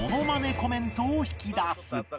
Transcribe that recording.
コメントを引き出す